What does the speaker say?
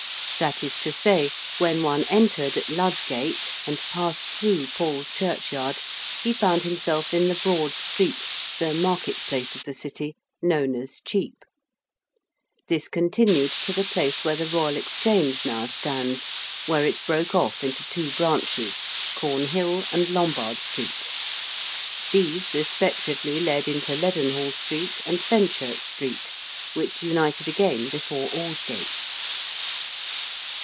That is to say, when one entered at Lud Gate and passed through Paul's Churchyard, he found himself in the broad street, the market place of the City, known as Chepe. This continued to the place where the Royal Exchange now stands, where it broke off into two branches, Cornhill and Lombard Street. These respectively led into Leadenhall Street and Fenchurch Street, which united again before Aldgate.